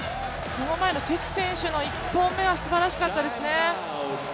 その前の関選手の１本目はすばらしかったですね。